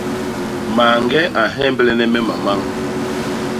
Mañge a nhemblene me mamañ.